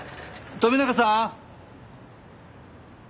富永さん！